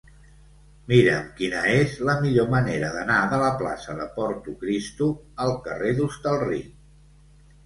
Mira'm quina és la millor manera d'anar de la plaça de Portocristo al carrer d'Hostalric.